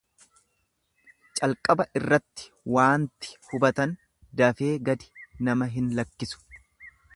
Calqaba iratti waanti hubatan dafee gadi nama hinlakkisu.